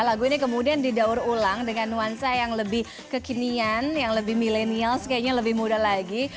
lagu ini kemudian didaur ulang dengan nuansa yang lebih kekinian yang lebih milenials kayaknya lebih muda lagi